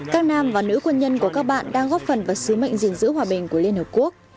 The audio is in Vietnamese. các nam và nữ quân nhân của các bạn đang góp phần vào sứ mệnh gìn giữ hòa bình của liên hợp quốc